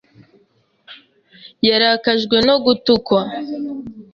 Yarakajwe no gutukwa.